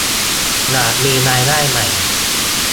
อยากมีรายได้ใหม่